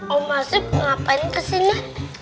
om masih ngapain kesini